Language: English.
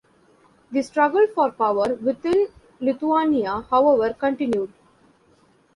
The struggle for power within Lithuania however continued.